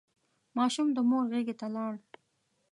ماشوم د مور غېږ ته لاړ.